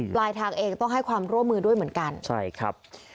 ปลายทางเองต้องให้ความร่วมมือด้วยเหมือนกันใช่ครับ